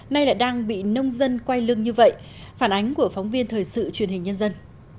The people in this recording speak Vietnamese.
nay lại đang bị nông dân quay lưng như vậy phản ánh của phóng viên thời sự truyền hình nhân dân